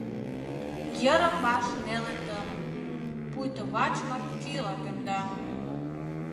Йырым-ваш неле тымык, Пуйто вачымак кӱла темда.